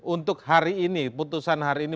untuk hari ini putusan hari ini